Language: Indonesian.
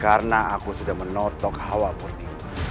karena aku sudah menotok hawa murniku